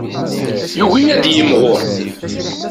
Yugi ad yimɣur.